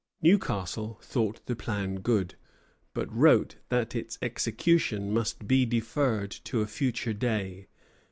Newcastle thought the plan good, but wrote that its execution must be deferred to a future day.